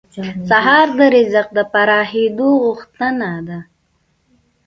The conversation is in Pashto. سهار د رزق د پراخېدو غوښتنه ده.